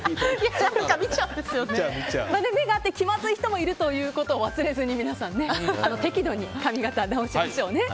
目が合って気まずい人もいるということを忘れずに皆さん適度に髪形直しましょうね。